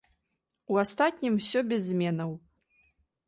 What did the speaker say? У астатнім усё без зменаў.